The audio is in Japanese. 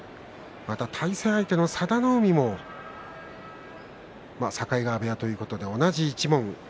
対戦相手の佐田の海も境川部屋ということで同じ一門。